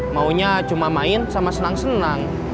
maunya cuma main sama senang senang